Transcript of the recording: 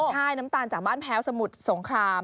ใช่น้ำตาลจากบ้านแพ้วสมุทรสงคราม